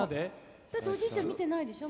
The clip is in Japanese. だっておじいちゃん見てないでしょ？